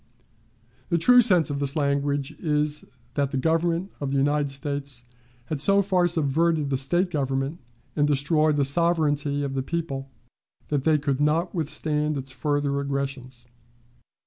The true sense of this language is, that the Government of the United States had so far subverted the State government and destroyed the sovereignty of the people that they could not withstand its further aggressions.